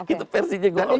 itu versinya golkar gitu